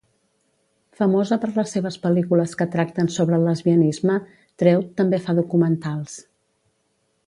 Famosa per les seves pel·lícules que tracten sobre el lesbianisme, Treut també fa documentals.